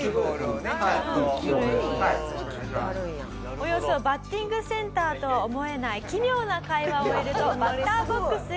およそバッティングセンターとは思えない奇妙な会話を終えるとバッターボックスへ。